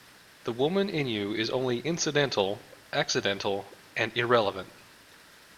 The woman in you is only incidental, accidental, and irrelevant.